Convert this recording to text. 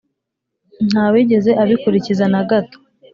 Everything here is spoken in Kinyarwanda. ntawigeze abikuririza na gato